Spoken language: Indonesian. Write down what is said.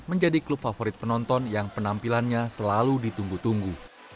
menjadi klub favorit penonton yang penampilannya selalu ditunggu tunggu